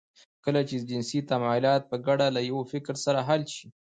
کله چې جنسي تمايلات په ګډه له يوه فکر سره حل شي.